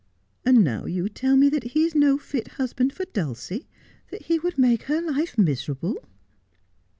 And now you tell me that he is no fit husband for Dulcie ; that he would make her life miserable.'